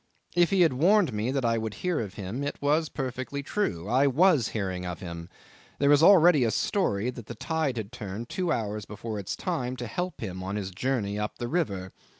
If he had warned me that I would hear of him it was perfectly true. I was hearing of him. There was already a story that the tide had turned two hours before its time to help him on his journey up the river.